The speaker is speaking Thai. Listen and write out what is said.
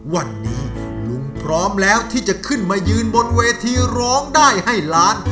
วันนี้ลุงพร้อมแล้วที่จะขึ้นมายืนบนเวทีร้องได้ให้ล้าน